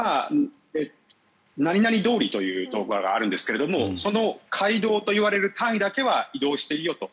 何々通りという通りがあるんですがその街道といわれる単位だけは移動していいよと。